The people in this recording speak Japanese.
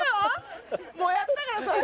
もうやったから散々。